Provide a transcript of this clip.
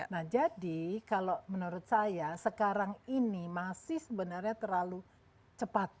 nah jadi kalau menurut saya sekarang ini masih sebenarnya terlalu cepat